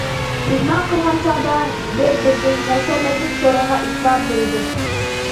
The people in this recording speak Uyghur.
مېھمان قىلغان چاغدا بىر- بىرىدىن ھەشەمەتلىك سورۇنغا ئېتىبار بېرىدۇ.